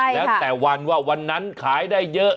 แล้วแต่วันว่าวันนั้นขายได้เยอะ